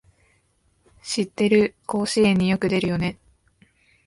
知ってる、甲子園によく出るよね